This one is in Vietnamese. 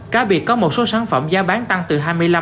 cá biệt có một số sản phẩm giá bán tăng từ hai mươi năm ba mươi